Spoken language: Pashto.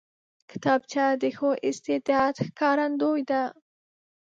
کتابچه د ښو استعداد ښکارندوی ده